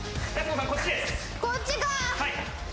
こっちか。